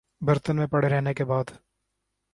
برتن میں پڑے رہنے کے بعد